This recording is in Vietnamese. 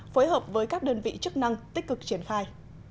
phối hợp với các đơn vị chức năng tích cực triển khai